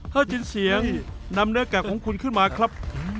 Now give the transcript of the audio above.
ถ้าจินเสียงนำเนื้อกากของคุณขึ้นมาครับ